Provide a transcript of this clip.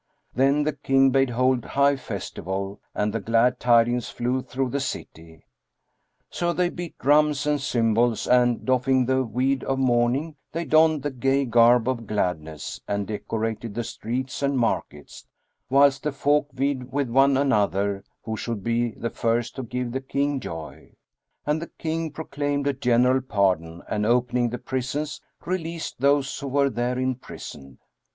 Then the King bade hold high festival, and the glad tidings flew through the city. So they beat drums and cymbals and, doffing the weed of mourning, they donned the gay garb of gladness and decorated the streets and markets; whilst the folk vied with one another who should be the first to give the King joy, and the King proclaimed a general pardon and opening the prisons, released those who were therein prisoned.